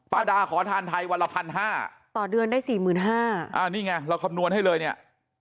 ดาขอทานไทยวันละพันห้าต่อเดือนได้สี่หมื่นห้าอ่านี่ไงเราคำนวณให้เลยเนี่ย